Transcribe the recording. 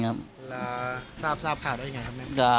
แล้วทราบข่าวได้อย่างไรครับ